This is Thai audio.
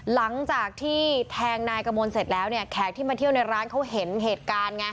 หลังจากที่แทงนายกระมวลเสร็จแล้วเนี่ยแขกที่มาเที่ยวในร้านเขาเห็นเหตุการณ์ไง